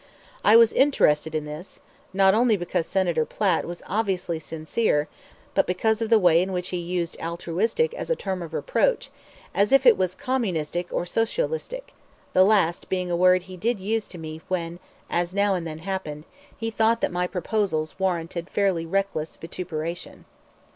I was interested in this, not only because Senator Platt was obviously sincere, but because of the way in which he used "altruistic" as a term of reproach, as if it was Communistic or Socialistic the last being a word he did use to me when, as now and then happened, he thought that my proposals warranted fairly reckless vituperation.